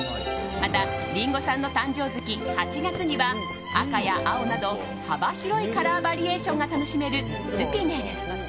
また、リンゴさんの誕生月８月には赤や青など幅広いカラーバリエーションが楽しめるスピネル。